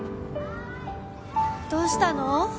どうしたの？